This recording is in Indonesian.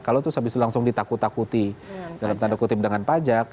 kalau terus habis itu langsung ditakut takuti dalam tanda kutip dengan pajak